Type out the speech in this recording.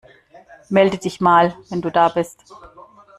Melde dich mal, wenn du da bist.